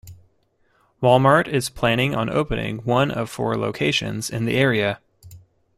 Walmart is planning on opening one of four locations in the area.